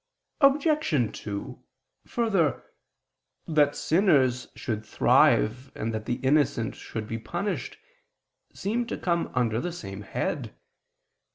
Obj. 2: Further, that sinners should thrive and that the innocent should be punished seem to come under the same head.